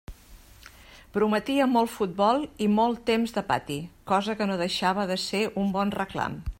Prometia molt futbol i molt temps de pati, cosa que no deixava de ser un bon reclam.